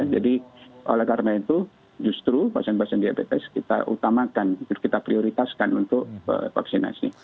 jadi oleh karena itu justru pasien pasien diabetes kita utamakan kita prioritaskan untuk vaksinasi